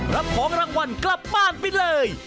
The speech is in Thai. รับของรางวัลกลับบ้านไปเลย